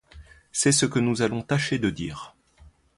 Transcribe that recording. C'est ce que nous allons tâcher de dire.